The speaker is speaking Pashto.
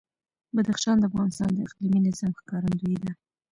بدخشان د افغانستان د اقلیمي نظام ښکارندوی ده.